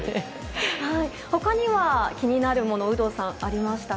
他には気になるもの有働さん、ありましたか？